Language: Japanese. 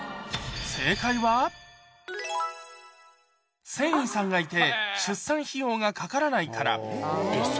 正解は船医さんがいて、出産費用がかからないから。